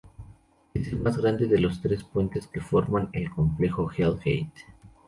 Es el más grande de los tres puentes que forman el complejo Hell Gate.